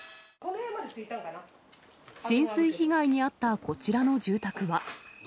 浸水被害に遭ったこちらの住宅は。